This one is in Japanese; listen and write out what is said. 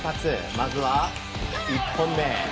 まずは１本目。